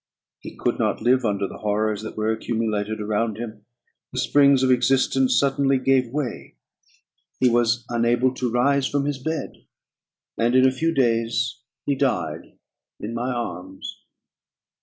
He could not live under the horrors that were accumulated around him; the springs of existence suddenly gave way: he was unable to rise from his bed, and in a few days he died in my arms.